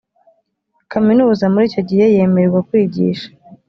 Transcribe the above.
kaminuza muri icyo gihe yemererwa kwigisha